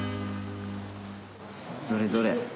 どれどれ？